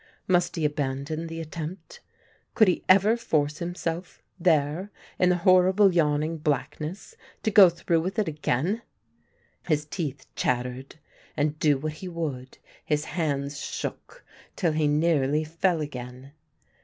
Must he abandon the attempt, could he ever force himself, there, in the horrible yawning blackness to go through with it again? His teeth chattered and, do what he would, his hands shook till he nearly fell again.